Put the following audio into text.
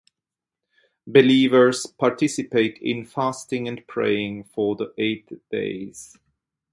Believers participate in fasting and praying for the eight days.